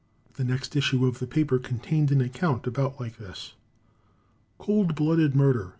The next issue of the paper contained an account about like this: Cold Blooded Murder.